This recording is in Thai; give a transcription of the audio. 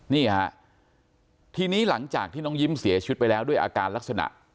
นี่ฮะทีนี้หลังจากที่น้องยิ้มเสียชีวิตไปแล้วด้วยอาการลักษณะ